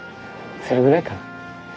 それぐらいかな。